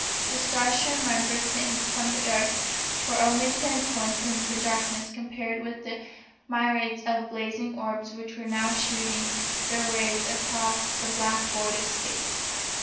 The stars she remembered seeing from the earth were only pin points in the darkness compared with the myriads of blazing orbs which were now shooting their rays across the black void of Space.